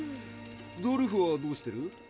ドルフはどうしてる？